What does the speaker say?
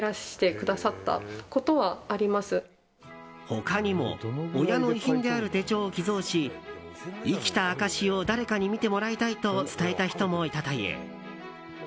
他にも、親の遺品である手帳を寄贈し生きた証しを誰かに見てもらいたいと伝えた人もいたという。